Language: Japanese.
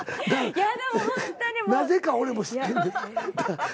なぜか俺も知ってんで。